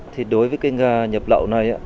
thì đối với cái gà nhập lậu này á